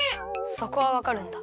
そこはわかるんだ？